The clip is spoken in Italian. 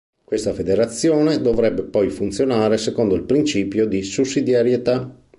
Questa federazione dovrebbe poi funzionare secondo il principio di sussidiarietà.